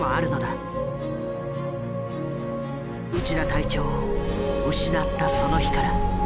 内田隊長を失ったその日から。